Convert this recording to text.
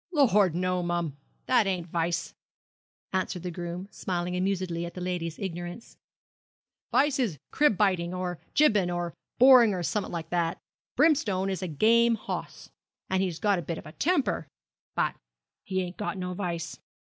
'Lor', no mum. That ain't vice,' answered the groom smiling amusedly at the lady's ignorance. Vice is crib biting, or jibbing, or boring or summat o' that kind. Brimstone is a game hoss, and he's got a bit of a temper, but he ain't got no vice.'